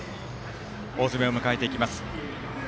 大詰めを迎えていきます。